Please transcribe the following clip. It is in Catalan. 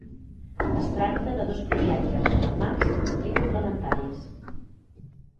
Es tracta de dos projectes germans i complementaris.